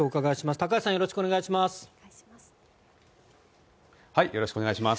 高橋さんよろしくお願いします。